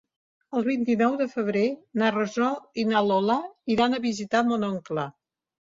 El vint-i-nou de febrer na Rosó i na Lola iran a visitar mon oncle.